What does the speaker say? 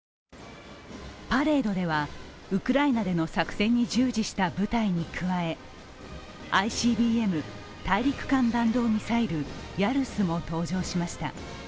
パレードではウクライナでの作戦に従事した部隊に加え、ＩＣＢＭ＝大陸間弾道ミサイルヤルスも登場しました。